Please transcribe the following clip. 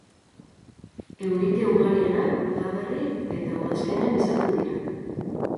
Eurite ugarienak udaberri eta udazkenean izaten dira.